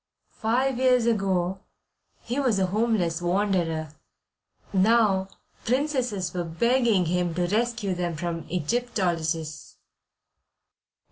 Five years ago he was a homeless wanderer. Now princesses were begging him to rescue them from Egyptologists.